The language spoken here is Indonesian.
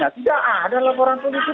tidak ada laporan polisi